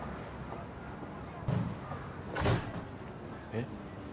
・えっ？